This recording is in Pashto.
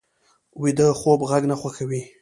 ویده خوب غږ نه خوښوي